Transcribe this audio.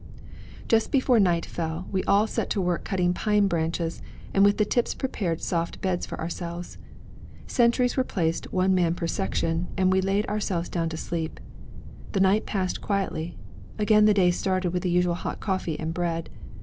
Just before night fell, we all set to work cutting pine branches, and with the tips prepared soft beds for ourselves. Sentries were placed, one man per section, and we laid ourselves down to sleep. The night passed quietly; again the day started with the usual hot coffee and bread.